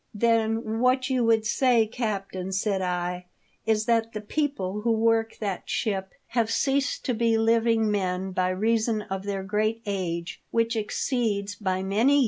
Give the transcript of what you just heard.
" Then what you would say, captain," said I, "is, that the people who work that ship have ceased to be living men by reason of their great age, which exceeds by many iO THE DEATH SHIP.